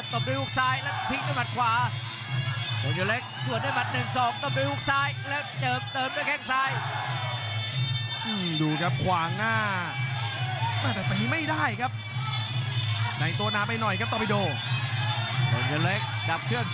ต่อที่๒ไม่ถึงครับเจอแข้งขวาส่วนขึ้นมาเกี่ยวแล้วคืน